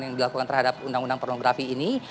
yang dilakukan terhadap undang undang pornografi ini